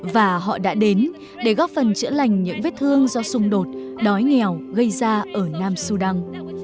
và họ đã đến để góp phần chữa lành những vết thương do xung đột đói nghèo gây ra ở nam sudan